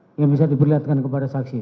yang bisa diperlihatkan kepada saksi ini